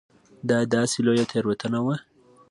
دا داسې لویه تېروتنه وه.